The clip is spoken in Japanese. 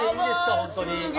本当に。